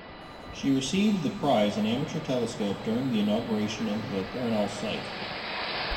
She received the prize, an amateur telescope, during the inauguration of the Paranal site.